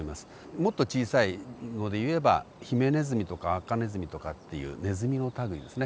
もっと小さいのでいえばヒメネズミとかアカネズミとかっていうネズミの類いですね。